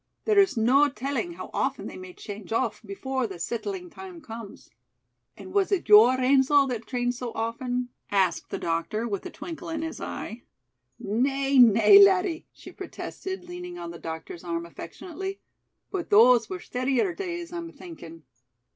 There's no telling how often they may change off before the settling time comes." "And was it your ainsel' that changed so often?" asked the doctor, with a twinkle in his eye. "Nay, nay, laddie," she protested, leaning on the doctor's arm affectionately, "but those were steadier days, I'm thinking."